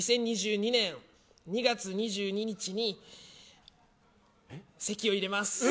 ２０２２年２月２２日に籍を入れます。